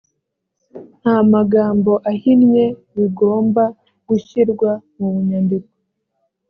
nta magambo ahinnye bigomba gushyirwa mu nyandiko